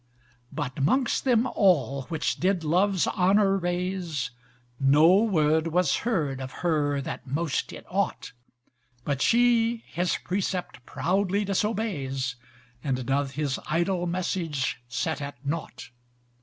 But 'mongst them all, which did Love's honor raise No word was heard of her that most it ought, But she his precept proudly disobeys, And doth his idle message set at nought.